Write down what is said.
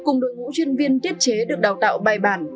các bác sĩ sinh dưỡng cùng đội ngũ chuyên viên tiết chế được đào tạo bài bản